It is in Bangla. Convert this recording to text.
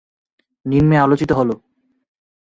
নিম্নে আলোচিত হলঃ